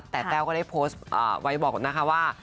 แต่แต้วก็ได้โพสต์ไว้บอกนะคะว่า